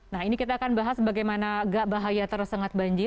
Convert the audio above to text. nah ini kita akan bahas bagaimana gak bahaya tersengat banjir